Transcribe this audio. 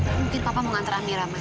mungkin papa mau ngantre amirah mas